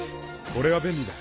これは便利だ。